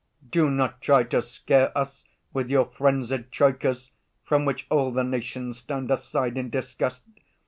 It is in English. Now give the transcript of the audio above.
Do not try to scare us with your frenzied troikas from which all the nations stand aside in disgust.